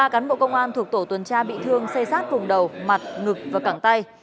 ba cán bộ công an thuộc tổ tuần tra bị thương xây sát vùng đầu mặt ngực và cẳng tay